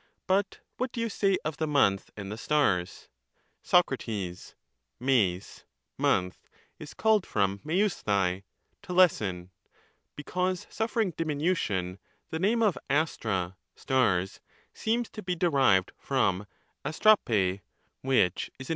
But what do you say of the month and the stars? Soc. Me<5' (month) is called from jiuovaBat (to lessen), be m^s cause suffering diminution ; the name of darpa (stars) seems to iaTpor. be derived from darpa i], which is an im.